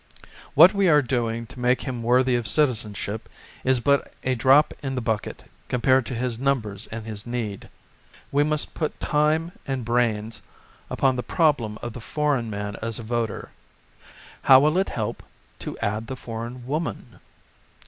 What we are doing to make him worthy of citizenship is but a drop in the bucket compared to his numbers and his need. We must put time and brains upon the problem of the foreign man as a voter. How will it help to add the foreign woman?